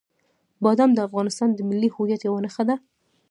بادام د افغانستان د ملي هویت یوه نښه ده.